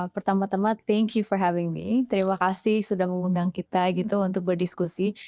pertama tama terima kasih sudah mengundang kita gitu untuk berdiskusi